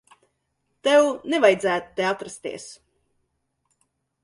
Tev nevajadzētu te atrasties.